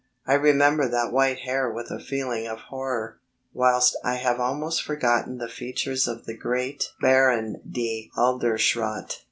I remember that white hair with a feeling of horror, whilst I have almost forgotten the features of the great Baron de Halderschrodt.